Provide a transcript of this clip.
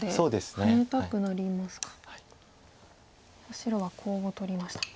白はコウを取りました。